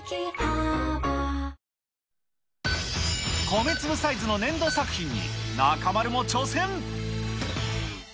米粒サイズの粘土作品に、中丸も挑戦。